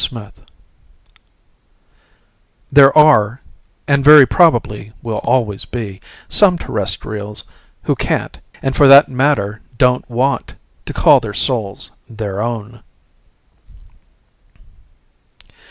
SMITH _There are and very probably will always be some Terrestrials who can't, and for that matter don't want, to call their souls their own....